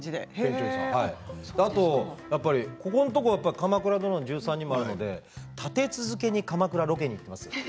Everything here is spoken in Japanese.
あとやっぱりここのところ「鎌倉殿の１３人」もあるので立て続けに鎌倉にロケに行っています。